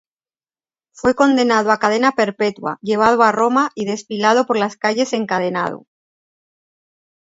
Fue condenado a cadena perpetua, llevado a Roma y desfilado por las calles encadenado.